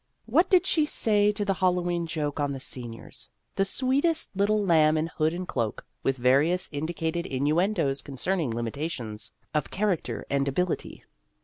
What did she say to the Hallowe'en joke on the seniors the sweetest little lamb in hood and cloak, with various indi cated innuendos concerning limitations of character and ability